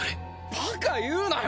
バカ言うなよ